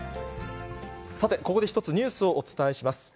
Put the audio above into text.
さて、ここで１つニュースをお伝えします。